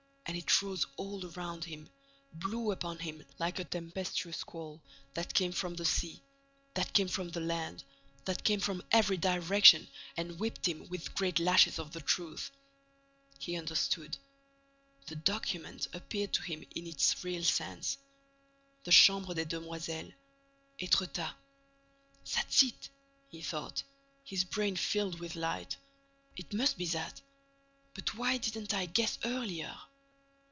And it rose all around him, blew upon him like a tempestuous squall that came from the sea, that came from the land, that came from every direction and whipped him with great lashes of the truth. He understood. The document appeared to him in its real sense. The Chambre des Demoiselles—Étretat— "That's it," he thought, his brain filled with light, "it must be that. But why didn't I guess earlier?"